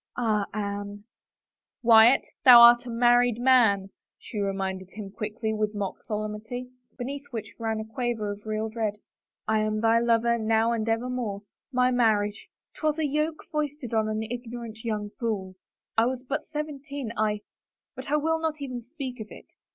" Ah, Anne —"" Wyatt, thou art a married man !" she reminded him quickly with mock solemnity, beneath which ran a quaver of real dread. " I am thy lover, now and evermore. My marriage — 'twas a yoke foisted on an ignorant young fool ! I was but seventeen — I — but I will not even speak of it.